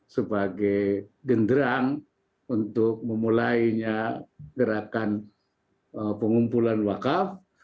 sebagai genderang untuk memulainya gerakan pengumpulan wakaf